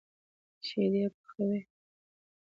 شيدې پخوي.